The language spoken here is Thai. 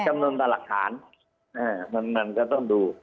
จำนวนต่อหลักฐานมันก็ต้องดู